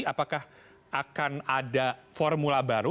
apakah akan ada formula baru